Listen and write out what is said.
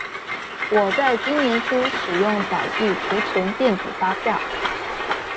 我在今年初使用載具儲存電子發票